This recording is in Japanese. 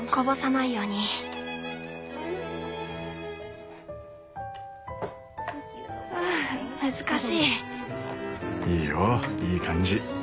いいよいい感じ。